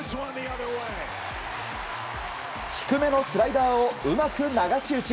低めのスライダーをうまく流し打ち。